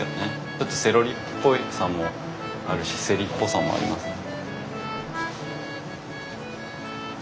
ちょっとセロリっぽさもあるしセリっぽさもありますね。